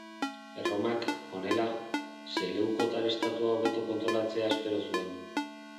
Erromak, honela, seleukotar estatua hobeto kontrolatzea espero zuen.